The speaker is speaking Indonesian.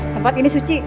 tempat ini suci